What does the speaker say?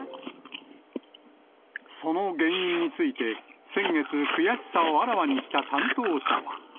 その原因について、先月、悔しさをあらわにした担当者は。